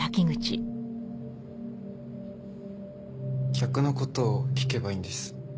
逆の事を聞けばいいんです。